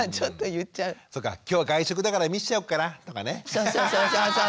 そうそうそうそう。